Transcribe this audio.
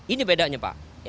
ini bedanya pak